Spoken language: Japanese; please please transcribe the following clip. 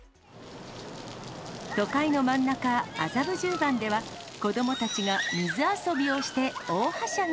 都会の真ん中、麻布十番では、子どもたちが水遊びをして大はしゃぎ。